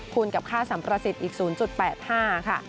คุณกับค่าสัมประสิทธิ์อีก๐๘๕ค่ะ